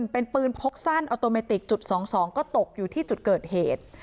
เป็นปืนพกสั้นออโตเมติกจุด๒๒ก็ตกอยู่ที่จุดเกิดเหตุ